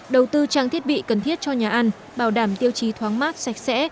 đầu tư trang thiết bị cần thiết cho nhà ăn bảo đảm tiêu chí thoáng mát sạch sẽ